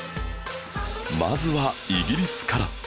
まずはイギリスから